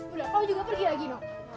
udah kau juga pergi lagi no